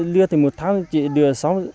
lia thịt một tháng chỉ đưa sáu trăm linh